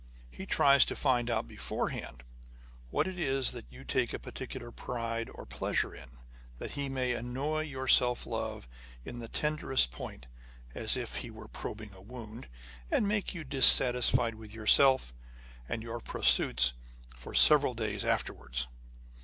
He tries to find out beforehand whatever it is that you take a particular pride or pleasure in, that he may annoy your self love in the tenderest point (as if he were probing a wound) and make you dissatisfied with yourself and your pursuits for several days afterwards.